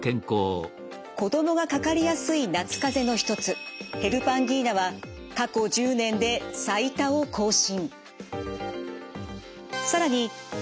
子どもがかかりやすい夏風邪の一つヘルパンギーナは過去１０年で最多を更新。